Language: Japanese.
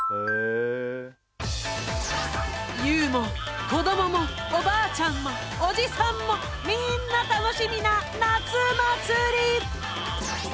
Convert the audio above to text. ＹＯＵも子どももおばあちゃんもおじさんもみんな楽しみな夏祭り！